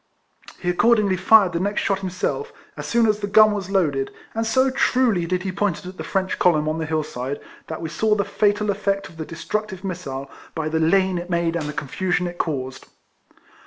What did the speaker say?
He accordingly fired the next shot himself, as soon as the gun was loaded, and so truly did he point it at the French column on the hill side, that we saw the fatal effect of the destructive missile, by the lane it made and the confusion it caused.